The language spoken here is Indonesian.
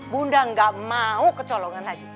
bunda nggak mau kecolongan lagi